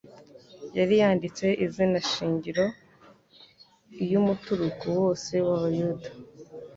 yari yanditse izina shingiro iy'umuturugo wose w'Abayuda.